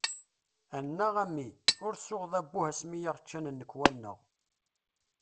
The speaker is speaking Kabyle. Annaɣ, a mmi! Ur tsuɣeḍ "abbuh" ass-mi yaɣ-ččan nnekwa-nneɣ!